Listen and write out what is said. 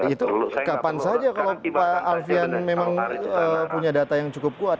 itu kapan saja kalau pak alfian memang punya data yang cukup kuat